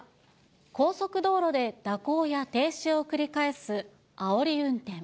高速道路で蛇行や停止を繰り返すあおり運転。